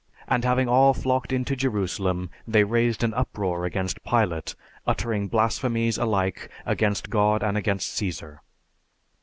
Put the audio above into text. And having all flocked into Jerusalem, they raised an uproar against Pilate, uttering blasphemies alike against God and against Cæsar.